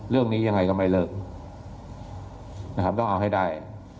เรื่องนี้ยังไงก็ไม่เลิกนะครับต้องเอาให้ได้